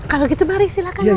kalau gitu mari silahkan